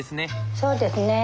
そうですねえ。